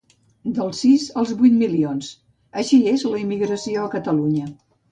Dels sis als vuit milions: així és la immigració a Catalunya